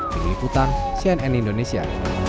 pengikutan cnn indonesia